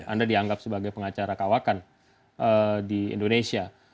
anda dianggap sebagai pengacara kawakan di indonesia